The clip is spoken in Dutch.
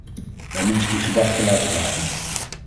Wij moeten die gedachte laten varen.